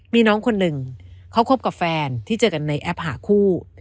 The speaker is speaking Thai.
มีน้องคนหนึ่งเขาคบกับแฟนที่เจอกันในแอปหาคู่